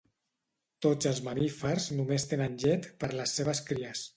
Tots els mamífers només tenen llet per les seves cries.